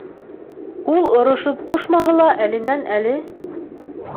Ул орошоп ҡушмаһа ла, әленән-әле: